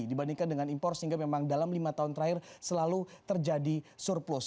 dibandingkan dengan impor sehingga memang dalam lima tahun terakhir selalu terjadi surplus